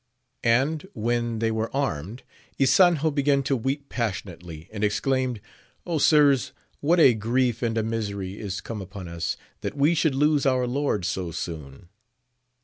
And, when they were armed, Ysanjo began to weep passionately, and exclaimed, sirs, what a grief and a misery is come upon us, that we should lose our lord so soon